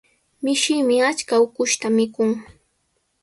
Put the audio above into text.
Mishimi achka ukushta mikun.